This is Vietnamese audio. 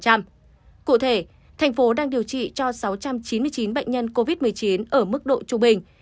cụ thể thành phố đang điều trị cho sáu trăm chín mươi chín bệnh nhân covid một mươi chín ở mức độ trung bình